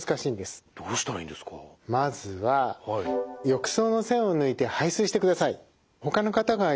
まずは浴槽の栓を抜いて排水してください。